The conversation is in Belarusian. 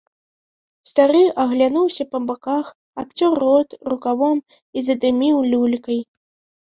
Стары аглянуўся па баках, абцёр рот рукавом і задыміў люлькай.